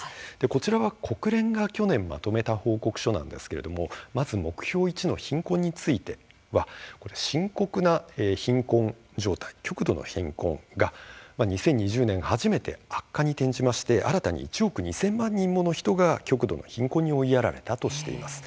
こちらは、国連が去年まとめた報告書なんですけれどもまず目標１の貧困については深刻な貧困状態極度の貧困が、２０２０年初めて悪化に転じまして新たに１億２０００万人もの人が極度の貧困に追いやられたとしています。